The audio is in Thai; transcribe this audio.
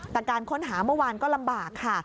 แต่การค้นหาเมื่อวานก็ลำบากค่ะ